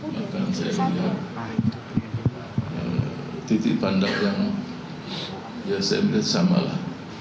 maka saya melihat titik pandang yang ya saya melihat samalah